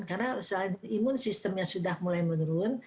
karena selain imun sistemnya sudah mulai menurun